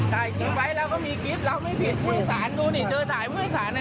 ใส่กุ๊บไว้แล้วก็มีกุ๊บลองไม่ผิดผู้โดยสาร